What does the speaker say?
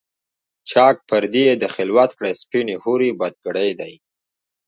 چاک پردې یې د خلوت کړه سپیني حوري، بد ګړی دی